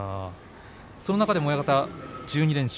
その中で親方は１４連勝。